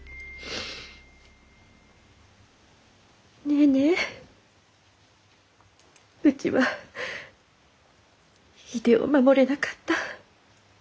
ネーネーうちは秀夫を守れなかった。